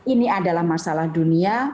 ini adalah masalah dunia